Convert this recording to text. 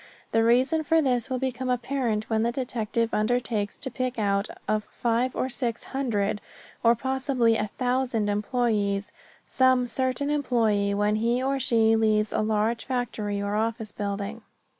The reason for this will become apparent when the detective undertakes to pick out of five or six hundred, or possibly a thousand employees, some certain employee when he or she leaves a large factory or office building.